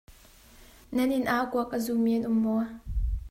Nan inn ah kuak a zu mi an um maw?